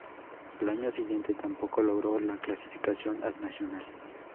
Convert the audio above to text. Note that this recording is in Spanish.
Al año siguiente tampoco logró la clasificación al Nacional.